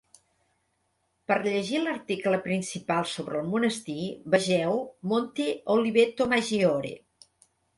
Per llegir l'article principal sobre el monestir, vegeu Monte Oliveto Maggiore.